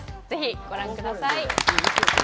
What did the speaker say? ぜひご覧ください。